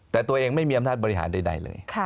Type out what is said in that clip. แต่ตัวเองไม่มีอำนาจบริหารใดเลย